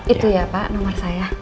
itu ya pak nomor saya